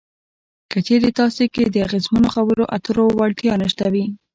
که چېرې تاسې کې د اغیزمنو خبرو اترو وړتیا نشته وي.